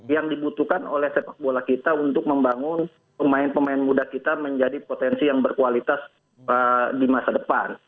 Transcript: yang dibutuhkan oleh sepak bola kita untuk membangun pemain pemain muda kita menjadi potensi yang berkualitas di masa depan